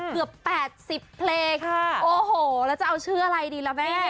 เกือบ๘๐เพลงโอ้โหแล้วจะเอาชื่ออะไรดีล่ะแม่